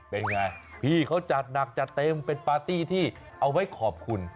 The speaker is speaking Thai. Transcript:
เป็นไงพี่เขาจัดหนักจัดเต็มเป็นปาร์ตี้ที่เอาไว้ขอบคุณ